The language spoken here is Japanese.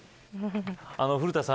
古田さん